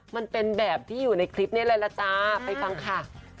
มันเป็นแบบที่อยู่ในคลิปนี้เลยล่ะจ๊ะไปฟังค่ะ